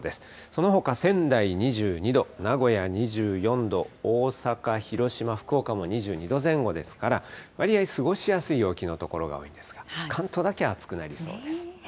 そのほか仙台２２度、名古屋２４度、大阪、広島、福岡も２２度前後ですから、わりあい過ごしやすい陽気の所が多いんですが、関東だけ暑くなりそうです。